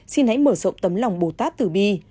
xin hãy mở rộng tấm lòng bồ tát tử bi